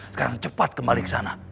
sekarang cepat kembali ke sana